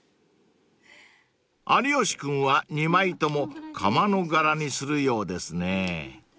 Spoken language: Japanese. ［有吉君は２枚とも窯の柄にするようですね］